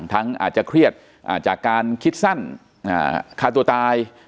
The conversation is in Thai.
หลายอย่างทั้งอาจจะเครียดจากการคิดสั้นคาดตัวตาย